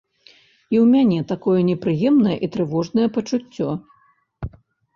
І ў мяне такое непрыемнае і трывожнае пачуццё.